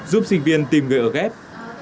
giúp sinh viên tìm người ở ghép